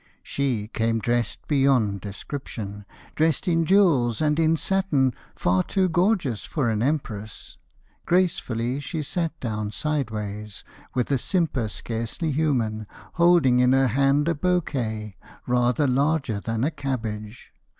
She came dressed beyond description, Dressed in jewels and in satin Far too gorgeous for an empress. [Illustration: "FIRST THE GOVERNOR, THE FATHER"] Gracefully she sat down sideways, With a simper scarcely human, Holding in her hand a bouquet Rather larger than a cabbage.